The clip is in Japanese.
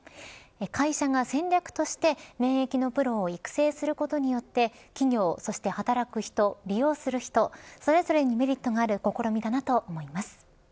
会社が戦略として免疫のプロを育成することによって企業、そして働く人、利用する人それぞれにメリットがある試みだなと思います。